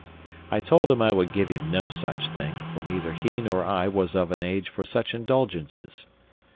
I told him I would give him no such thing, for neither he nor I was of an age for such indulgences.